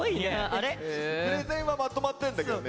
プレゼンはまとまってんだけどね。